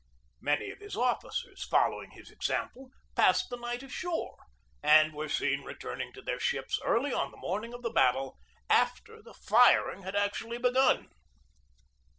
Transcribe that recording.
Many of his officers, following his example, passed the night ashore and were seen returning to their ships early on the morning of the battle, after the firing had actually begun.